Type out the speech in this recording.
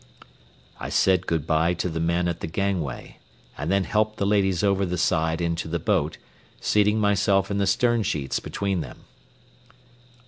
I said good by to the men at the gangway, and then helped the ladies over the side into the boat, seating myself in the stern sheets between them.